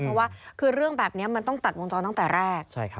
เพราะว่าคือเรื่องแบบนี้มันต้องตัดวงจรตั้งแต่แรก